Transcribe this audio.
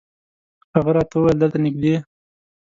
هغه راته وویل دلته نږدې.